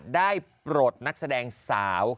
ปลดนักแสดงสาว